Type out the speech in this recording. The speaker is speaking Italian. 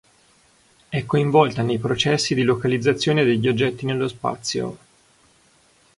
È coinvolta nei processi di localizzazione degli oggetti nello spazio.